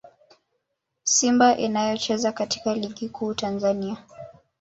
Simba inayocheza katika Ligi Kuu ya Tanzania